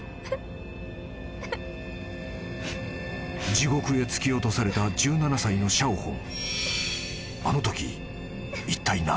［地獄へ突き落とされた１７歳のシャオホン］